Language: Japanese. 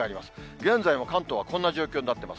現在の関東はこんな状況になっています。